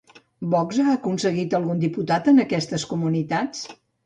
Vox ha aconseguit algun diputat en aquestes comunitats?